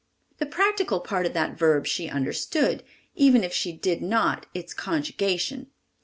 The practical part of that verb she understood, even if she did not its conjugation.